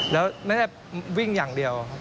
แล้วไม่ได้วิ่งอย่างเดียว